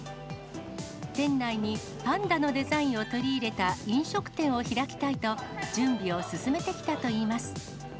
店内にパンダのデザインを取り入れた飲食店を開きたいと、準備を進めてきたといいます。